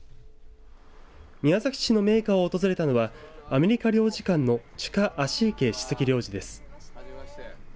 宮崎市のメーカーを訪れたのはアメリカ領事館のチュカ・アシーケ首席領事です。